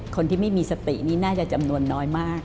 คนที่ไม่มีสตินี่น่าจะจำนวนน้อยมาก